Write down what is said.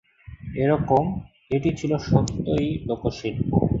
একরকম, এটি ছিল সত্যই লোকশিল্প।